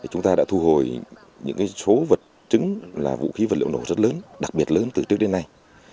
chúng ta đã thu hồi những số vật chứng là vũ khí vật liệu nổ rất lớn đặc biệt lớn từ trước đến nay